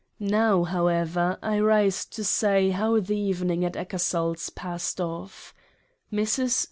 Now however, I rise to say how the Evening at EckersalPs passed off. Mrs.